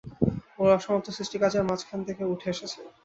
ওর অসমাপ্ত সৃষ্টিকাজের মাঝখান থেকে উঠে এসেছে।